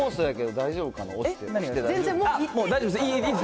大丈夫です。